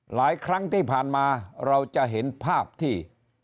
หลายครั้งที่ผ่านมาเราจะเห็นภาพที่